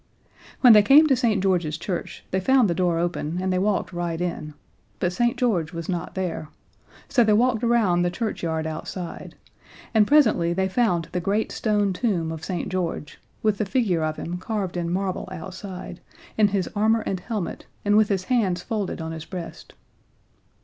When they came to St. George's Church they found the door open, and they walked right in but St. George was not there, so they walked around the churchyard outside, and presently they found the great stone tomb of St. George, with the figure of him carved in marble outside, in his armor and helmet, and with his hands folded on his breast.